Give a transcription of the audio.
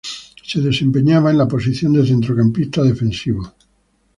Se desempeñaba en la posición de centrocampista defensivo.